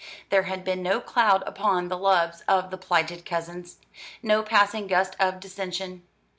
There had been no cloud upon the loves of the plighted cousins no passing gust of dissension.